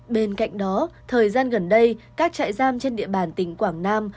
bên cạnh đó thời gian gần đây các trại giam trên địa bàn tỉnh quảng nam